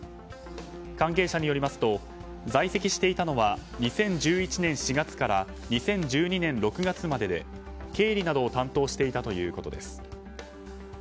関係者によりますと在籍していたのは２０１１年４月から２０１２年６月までで経理などを担当していたということです。